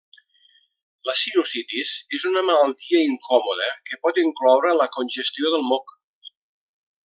La sinusitis és una malaltia incòmoda que pot incloure la congestió del moc.